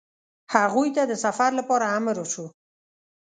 هغوی ته د سفر لپاره امر وشو.